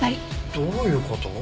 どういう事？